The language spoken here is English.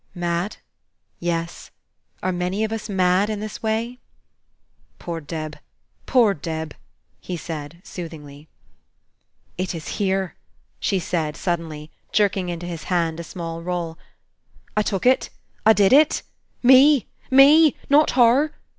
Mad? Yes! Are many of us mad in this way? "Poor Deb! poor Deb!" he said, soothingly. "It is here," she said, suddenly, jerking into his hand a small roll. "I took it! I did it! Me, me! not hur!